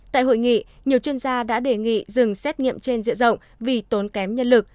tại hội nghị nhiều chuyên gia đã đề nghị dừng xét nghiệm trên diện rộng vì tốn kém nhân lực